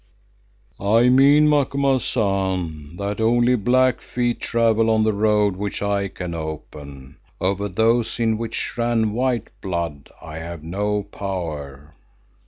"I mean, Macumazahn, that only black feet travel on the road which I can open; over those in which ran white blood I have no power."